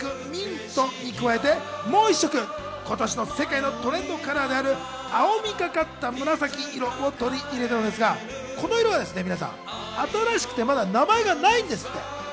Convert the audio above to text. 黄色、白、ピンク、ミントに加えてもう１色、今年の世界のトレンドカラーである、青みがかった紫色をとり入れたんですが、この色は皆さん、新しくてまだ名前がないんですって。